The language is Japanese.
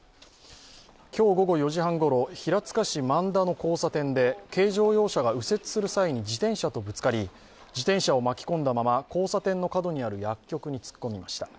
今日午後４時半ごろ、平塚市万田の交差点で軽乗用車が右折する際に自転車とぶつかり、自転車を巻き込んだまま交差点の角にある薬局に突っ込みました。